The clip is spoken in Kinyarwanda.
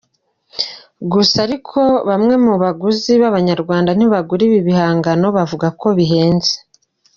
Gusa ariko bamwe mu baguzi b’Abanyarwanda ntibagura ibi bihangano bavuga ko bihenze.